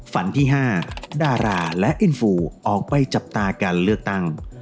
ฝันที่๕ดาราและอินฟูออกไปจับตาการเลือกตั้ง